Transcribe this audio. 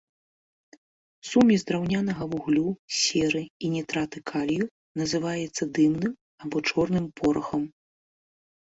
Сумесь з драўнянага вуглю, серы і нітрату калію называецца дымным, або чорным порахам.